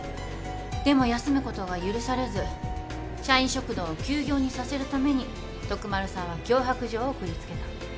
でも休むことが許されず社員食堂を休業にさせるために徳丸さんは脅迫状を送りつけた。